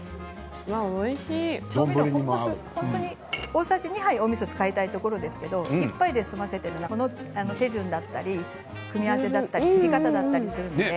調味料大さじ２杯おみそを使いたいところですけれども１杯で済ませているのはこの手順だったり組み合わせだったり切り方だったりするので。